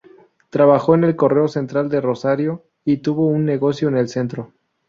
Trabajó en el Correo Central de Rosario, y tuvo un negocio en el centro.